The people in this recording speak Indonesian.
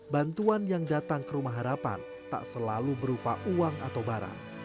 bantuan yang datang ke rumah harapan tak selalu berupa uang atau barang